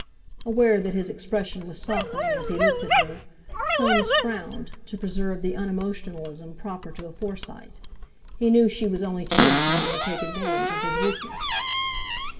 Aware that his expression was softening as he looked at her, Soames frowned to preserve the unemotionalism proper to a Forsyte. He knew she was only too inclined to take advantage of his weakness.